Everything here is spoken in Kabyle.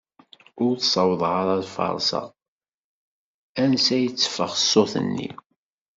Ur sawḍeɣ ara ad feṛzeɣ ansa d-itteffeɣ ṣṣut-nni.